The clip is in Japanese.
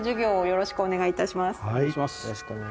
よろしくお願いします。